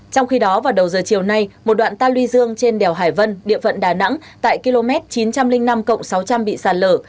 trong khi đó vào đầu giờ chiều nay một đoạn ta luy dương trên đèo hải vân địa phận đà nẵng tại km chín trăm linh năm cộng sáu trăm linh bị sạt lở